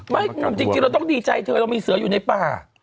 หนุ่มจริงเราต้องดีใจเธอเรามีเสืออยู่ในป่า